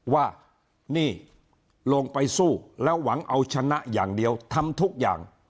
ว่านี่ลงไปสู้แล้วหวังเอาชนะอย่างเดียวทำทุกอย่าง